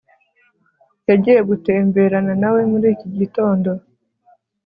yagiye gutemberana nawe muri iki gitondo